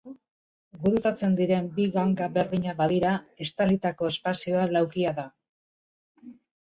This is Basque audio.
Gurutzatzen diren bi gangak berdinak badira, estalitako espazioa laukia da.